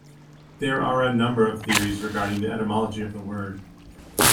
There are a number of theories regarding the etymology of the word.